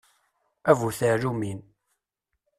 A bu tɛellumin!